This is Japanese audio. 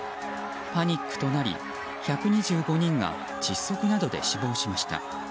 パニックとなり、１２５人が窒息などで死亡しました。